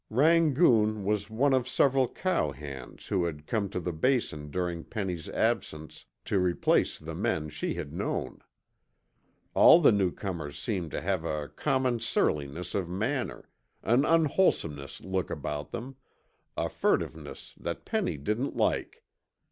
Rangoon was one of several cowhands who had come to the Basin during Penny's absence to replace the men she had known. All the newcomers seemed to have a common surliness of manner, an unwholesome look about them, a furtiveness that Penny didn't like.